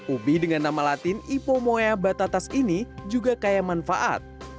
ubi dengan nama latin ipomoea batatas ini juga kaya manfaat